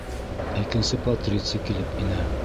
Икенсе патриций килеп инә.